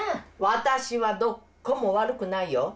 私はどっこも悪くないよ！